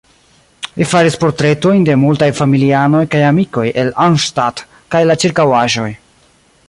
Li faris portretojn de multaj familianoj kaj amikoj el Arnstadt kaj la ĉirkaŭaĵoj.